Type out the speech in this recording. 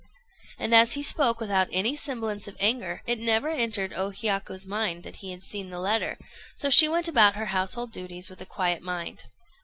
And as he spoke without any semblance of anger, it never entered O Hiyaku's mind that he had seen the letter; so she went about her household duties with a quiet mind.